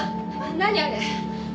何あれ？